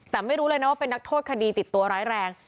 แต่ไม่รู้เลยนะว่าเป็นนักโทษคดีติดตัวร้ายแรง